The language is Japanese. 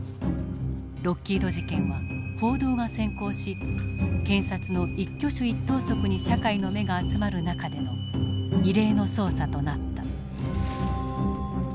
ロッキード事件は報道が先行し検察の一挙手一投足に社会の目が集まる中での異例の捜査となった。